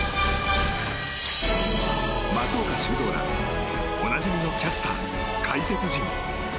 松岡修造らおなじみのキャスター、解説陣！